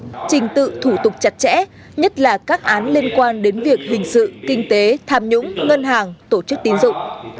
các trình tự thủ tục chặt chẽ nhất là các án liên quan đến việc hình sự kinh tế tham nhũng ngân hàng tổ chức tín dụng